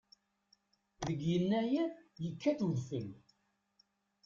Deg yennayer yekkat udfel.